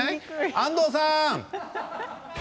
安藤さん！